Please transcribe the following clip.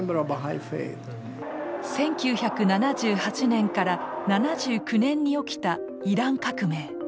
１９７８年から７９年に起きたイラン革命。